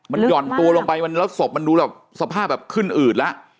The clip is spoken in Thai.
มันหย่อนตัวลงไปแล้วศพมันดูสภาพขึ้นอืดละ